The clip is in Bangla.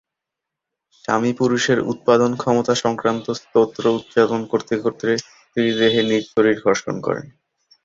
স্বামী পুরুষের উৎপাদন ক্ষমতা সংক্রান্ত স্তোত্র উচ্চারণ করতে করতে স্ত্রীর দেহে নিজ শরীর ঘর্ষণ করেন।